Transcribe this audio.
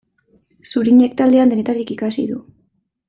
Zurinek taldean denetarik ikasi du.